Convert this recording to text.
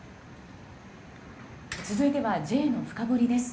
続いてはＪのフカボリです。